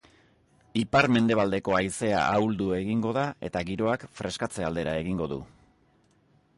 Ipar-mendebaldeko haizea ahuldu egingo da eta giroak freskatze aldera egingo du.